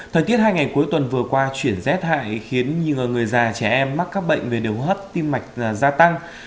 thời tiết hai ngày cuối tuần vừa qua chuyển rét hại khiến nhiều người già trẻ em mắc các bệnh về đường hấp tim mạch gia tăng